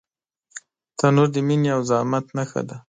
تنور د مینې او زحمت نښه ده